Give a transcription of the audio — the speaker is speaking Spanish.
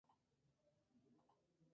Finalmente hiere a Hamlet.